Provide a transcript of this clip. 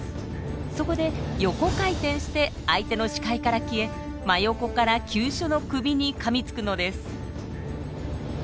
そこで横回転して相手の視界から消え真横から急所の首にかみつくのです。